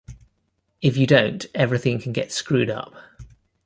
If you don't, everything can get screwed up.